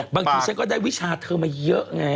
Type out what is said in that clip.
บางทีฉันก็ได้วิชาเธอมาเยอะไง